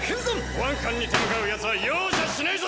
保安官に手向かう奴は容赦しないぞ！